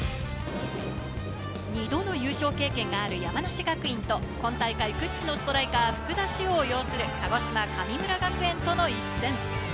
２度の優勝経験がある山梨学院と、今大会屈指のストライカー・福田師王を擁する神村学園との一戦。